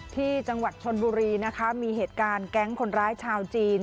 ที่จังหวัดชนบุรีนะคะมีเหตุการณ์แก๊งคนร้ายชาวจีน